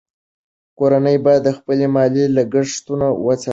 کورنۍ باید خپل مالي لګښتونه وڅاري.